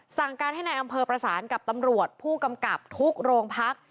สั่งการให้นายอำเภอประสานกับตำรวจผู้กำกับทุกโรงพัก